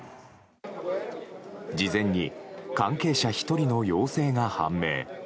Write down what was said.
事前に関係者１人の陽性が判明。